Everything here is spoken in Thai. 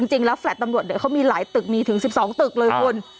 จริงแล้วแฟลต์ตำรวจเขามีหลายตึกมีถึง๑๒ตึกเลยคุณ